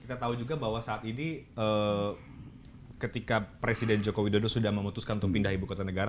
kita tahu juga bahwa saat ini ketika presiden joko widodo sudah memutuskan untuk pindah ibu kota negara